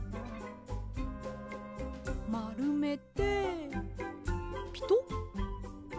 まるめてピトッ。